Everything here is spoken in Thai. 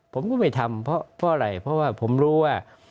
ผมก็ไม่ทำเพราะอะไรเพราะว่าผมรู้ว่า